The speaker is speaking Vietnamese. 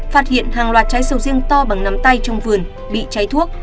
phát hiện hàng loạt trái sầu riêng to bằng nắm tay trong vườn bị cháy thuốc